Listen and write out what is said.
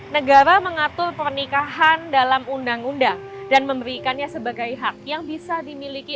negara mengatur pernikahan dalam undang undang dan memberikannya sebagai hak yang bisa dimiliki